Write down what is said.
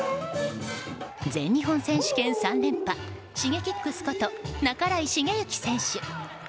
日本選手権３連覇Ｓｈｉｇｅｋｉｘこと半井重幸選手。